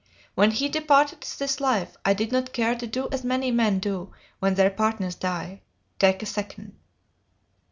When he departed this life I did not care to do as many men do when their partners die, take a 'second.'"